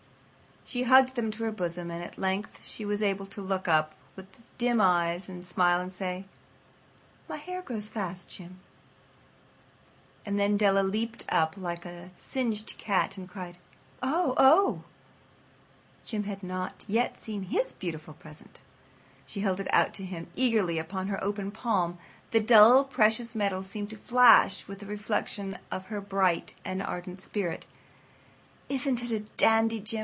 But she hugged them to her bosom, and at length she was able to look up with dim eyes and a smile and say: "My hair grows so fast, Jim!" And then Della leaped up like a little singed cat and cried, "Oh, oh!" Jim had not yet seen his beautiful present. She held it out to him eagerly upon her open palm. The dull precious metal seemed to flash with a reflection of her bright and ardent spirit. "Isn't it a dandy, Jim?